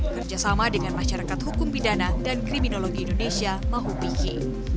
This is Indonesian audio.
kerjasama dengan masyarakat hukum pidana dan kriminologi indonesia mahupi